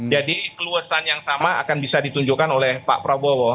jadi keluasan yang sama akan bisa ditunjukkan oleh pak prabowo